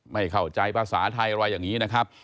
ไม่เข้าใจภาษาไทยอะไรอย่างนี้นะครับ